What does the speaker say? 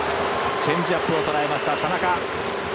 チェンジアップをとらえた田中。